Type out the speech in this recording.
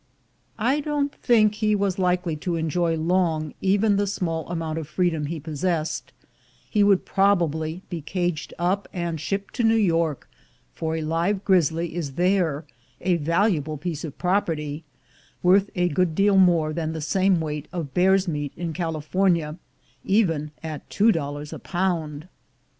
I don't think he was likely to enjoy long even the small amount of freedom he possessed ; he would probably be caged up and shipped to New York; for a live grizzly is there a valuable piece of prop erty, worth a good deal more than the same weight of bear's meat in California, even at two dollars a pound.